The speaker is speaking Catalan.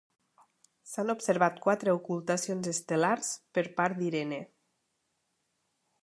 S'han observat quatre ocultacions estel·lars per part d'Irene.